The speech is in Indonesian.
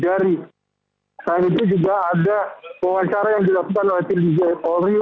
dari saat itu juga ada pengacara yang dilakukan oleh tim dgnri